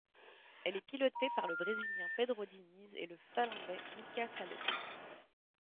Elle est pilotée par le Brésilien Pedro Diniz et le Finlandais Mika Salo.